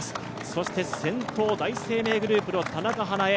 そして、先頭第一生命グループの田中華絵。